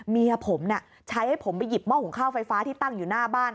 เมียผมใช้ให้ผมไปหยิบหม้อหุงข้าวไฟฟ้าที่ตั้งอยู่หน้าบ้าน